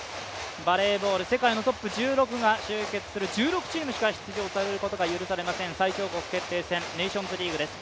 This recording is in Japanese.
バレーボール、世界のトップ１６チームしか出場することが許されません、最強国決定戦ネーションズリーグです。